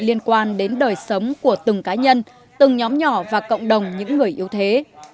liên quan đến đời sống của từng cá nhân từng nhóm nhỏ và cộng đồng những người yếu thế